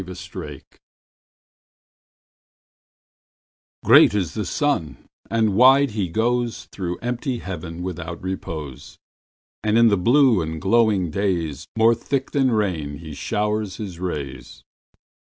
Summer Sun GREAT is the sun, and wide he goesThrough empty heaven without repose; And in the blue and glowing daysMore thick than rain he showers his rays.